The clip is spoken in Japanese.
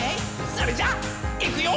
それじゃいくよ」